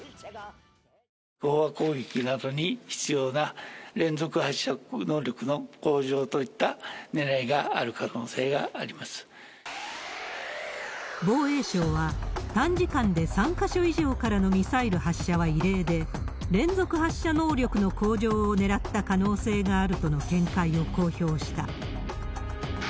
飽和攻撃などに必要な連続発射能力の向上といったねらいがあ防衛省は、短時間で３か所以上からのミサイル発射は異例で、連続発射能力の向上を狙った可能性があるとの見解を公表した。